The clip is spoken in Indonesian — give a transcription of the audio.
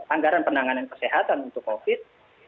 anggaran penanganan kesehatan untuk covid